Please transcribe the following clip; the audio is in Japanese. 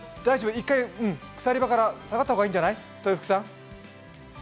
１回鎖場から下がった方がいいんじゃない？